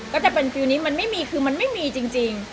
ก็จะเป็นฟีลนี้มันไม่มีขึ้นจริง